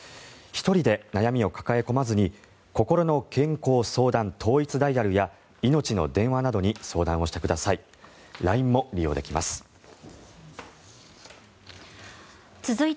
１人で悩みを抱え込まずにこころの健康相談統一ダイヤルやいのちの電話などに相談をしてください。